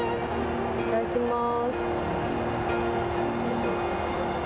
いただきます。